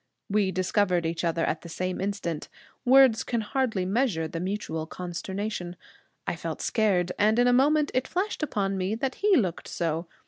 We discovered each other at the same instant. Words can hardly measure the mutual consternation. I felt scared; and in a moment it flashed upon me that he looked so.